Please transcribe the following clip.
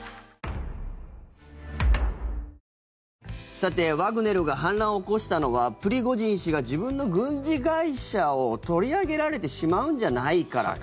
さて、ワグネルが反乱を起こしたのはプリゴジン氏が自分の軍事会社を取り上げられてしまうんじゃないからか。